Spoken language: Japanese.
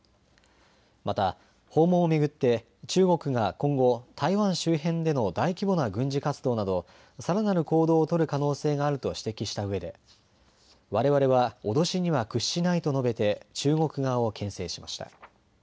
また訪問を巡って中国が今後台湾周辺での大規模な軍事活動などさらなる行動を取る可能性があると指摘したうえでわれわれは脅しには屈しないと述べて中国側をけん制しました。